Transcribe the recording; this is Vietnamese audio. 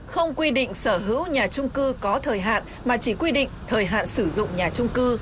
không quy định sở hữu nhà trung cư có thời hạn mà chỉ quy định thời hạn sử dụng nhà trung cư